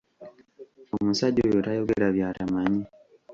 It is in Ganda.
Omusajja oyo tayogera by'atamanyi.